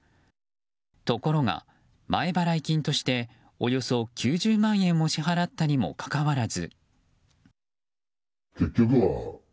ところが、前払い金としておよそ９０万円を支払ったにもかかわらず。